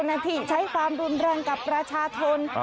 มันไม่ได้มีความผิดอะไรครับ